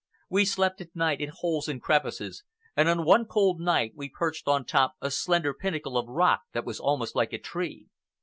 We slept at night in holes and crevices, and on one cold night we perched on top a slender pinnacle of rock that was almost like a tree.